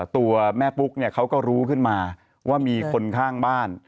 ตัวแม่ปุ๊กเนี่ยเขาก็รู้ขึ้นมาว่ามีคนข้างบ้าน